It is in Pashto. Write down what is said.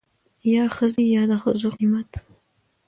يا ښځې يا دښځو قيمت.